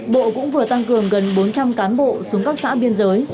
bộ cũng vừa tăng cường gần bốn trăm linh cán bộ xuống các xã biên giới